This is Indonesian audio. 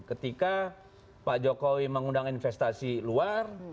ketika pak jokowi mengundang investasi luar